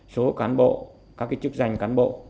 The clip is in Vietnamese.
số cán bộ các chức danh cán bộ